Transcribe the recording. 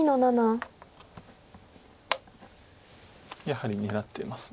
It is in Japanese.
やはり狙ってます。